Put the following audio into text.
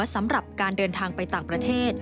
สำหรับการเดินทางไปต่างประเทศ